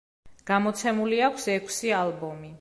გამოცემული აქვს ექვსი ალბომი.